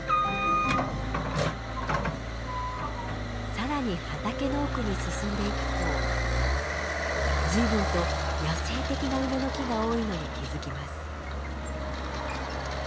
更に畑の奥に進んでいくと随分と野生的な梅の木が多いのに気付きます。